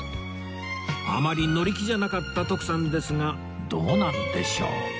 あまり乗り気じゃなかった徳さんですがどうなんでしょう？